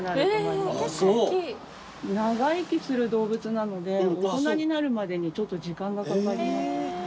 長生きする動物なので大人になるまでにちょっと時間がかかります。